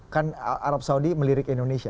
kan arab saudi melirik indonesia